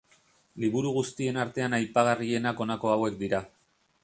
Liburu guztien artean aipagarrienak honako hauek dira.